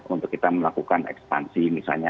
untuk kita melakukan ekspansi misalnya